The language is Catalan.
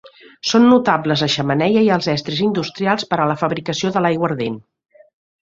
Són notables la xemeneia i els estris industrials per a la fabricació de l'aiguardent.